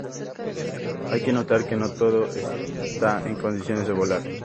Hay que notar que no todos está en condiciones de volar.